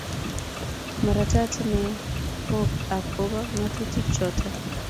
Marat inne mok ak bo ngatutik choto.